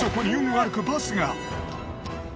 悪くバスが。